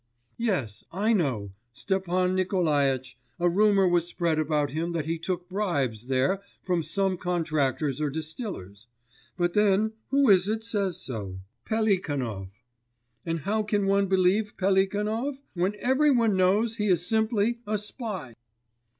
'Yes. I know, Stepan Nikolaitch, a rumour was spread about him that he took bribes there from some contractors or distillers. But then who is it says so? Pelikanov! And how can one believe Pelikanov, when every one knows he is simply a spy!